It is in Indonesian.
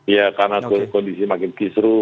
ya karena kondisi makin kisru